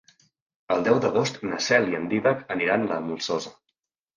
El deu d'agost na Cel i en Dídac aniran a la Molsosa.